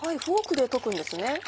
フォークで溶くんですね。